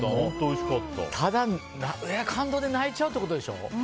ただ、感動で泣いちゃうってことでしょ。